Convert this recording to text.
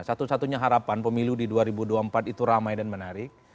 satu satunya harapan pemilu di dua ribu dua puluh empat itu ramai dan menarik